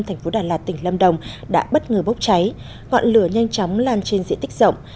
thành phố đà lạt tỉnh lâm đồng đã bất ngờ bốc cháy ngọn lửa nhanh chóng lan trên diện tích rộng